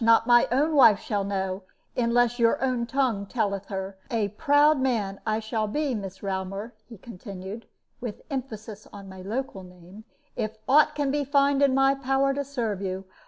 Not my own wife shall know, unless your own tongue telleth her. A proud man I shall be, Miss Raumur," he continued, with emphasis on my local name, "if aught can be found in my power to serve you.